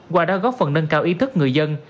qua đó góp phần nâng cao ý thức người dân